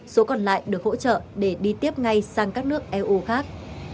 số còn lại được hỗ trợ để đi tiếp ngay sang các nước eu khác